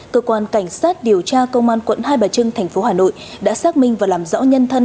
cơ quan cảnh sát điều tra công an quận hai bà trưng tp hà nội đã xác minh và làm rõ nhân thân